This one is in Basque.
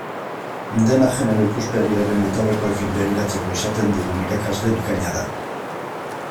Dena genero ikuspegiaren betaurrekoekin begiratzeko esaten digun irakasle bikaina da.